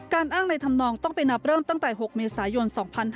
อ้างในธรรมนองต้องไปนับเริ่มตั้งแต่๖เมษายน๒๕๕๙